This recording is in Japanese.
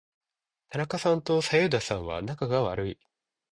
田中さんと左右田さんは仲が悪い。